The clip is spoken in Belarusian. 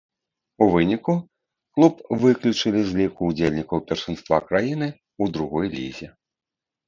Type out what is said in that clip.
У выніку, клуб выключылі з ліку ўдзельнікаў першынства краіны ў другой лізе.